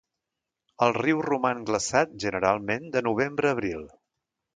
El riu roman glaçat generalment de novembre a abril.